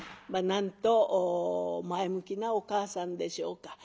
まっなんと前向きなお母さんでしょうか。